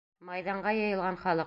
Майҙанға йыйылған халыҡ: